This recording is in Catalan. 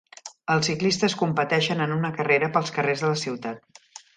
Els ciclistes competeixen en una carrera pels carrers de la ciutat.